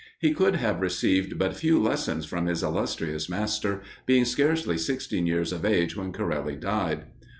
He could have received but few lessons from his illustrious master, being scarcely sixteen years of age when Corelli died.